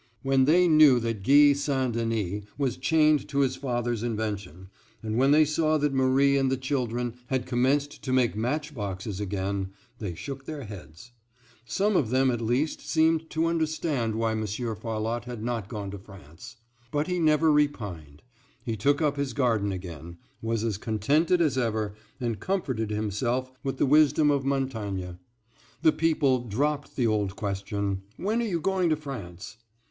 When they knew that Guy St. Denis was chained to his father's invention, and when they saw that Marie and the children had commenced to make match boxes again, they shook their heads. Some of them at least seemed to understand why Monsieur Farlotte had not gone to France. But he never repined. He took up his garden again, was as contented as ever, and comforted himself with the wisdom of Montaigne. The people dropped the old question, "When are you going to France?"